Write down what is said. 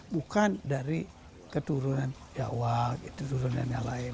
bukan dari keturunan jawa keturunan yang lain